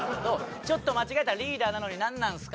ちょっと間違えたら「リーダーなのになんなんすか！」